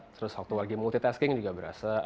terus waktu lagi multitasking juga berasa